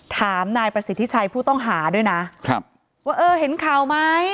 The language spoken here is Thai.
ถามนายประสิทธิชัยผู้ต้องหาด้วยนะครับว่าเออเห็นข่าวไหม